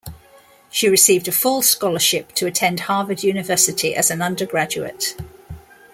She received a full scholarship to attend Harvard University as an undergraduate.